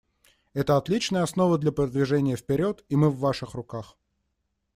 Это отличная основа для продвижения вперед, и мы в Ваших руках.